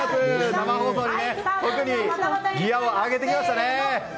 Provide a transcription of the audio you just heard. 生放送に向けてギアを上げてきました。